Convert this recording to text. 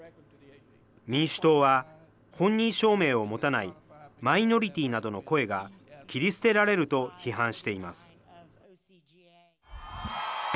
民主党は本人証明を持たないマイノリティーなどの声が、切り捨てられると批判しています。